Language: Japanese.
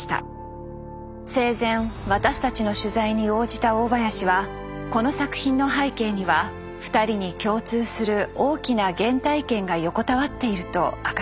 生前私たちの取材に応じた大林はこの作品の背景には２人に共通する大きな原体験が横たわっていると明かしました。